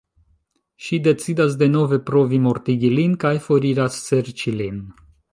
Ŝi decidas denove provi mortigi lin kaj foriras serĉi lin.